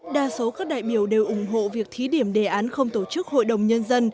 đa số các đại biểu đều ủng hộ việc thí điểm đề án không tổ chức hội đồng nhân dân